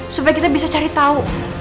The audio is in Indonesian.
supaya kita bisa cari tahu